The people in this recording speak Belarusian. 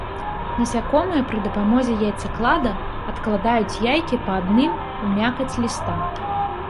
Насякомыя пры дапамозе яйцаклада адкладаюць яйкі па адным у мякаць ліста.